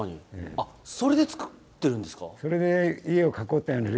あっそれでつくってるんですか？